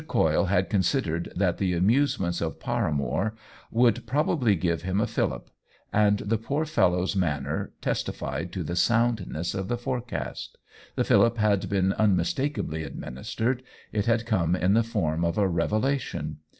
Coyle had considered that the amusements of 202 OWEN WINGRAVE Paramore would probably give him a fillip, and the poor fellow's manner testified to the soundness of the forecast. The fillip had been unmistakably administered; it had come in the form of a revelation.